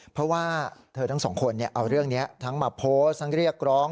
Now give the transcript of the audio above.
เพราะว่าเธอทั้งสองคนเอาเรื่องนี้ทั้งมาโพสต์ทั้งเรียกร้อง